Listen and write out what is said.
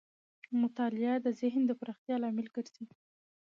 مطالعه د ذهن د پراختیا لامل ګرځي.